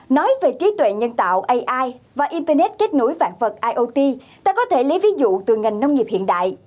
nói về trí tuệ nhân tạo ai và internet kết nối vạn vật iot ta có thể lấy ví dụ từ ngành nông nghiệp hiện đại